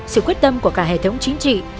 sự quyết tâm của cả hệ thống chính trị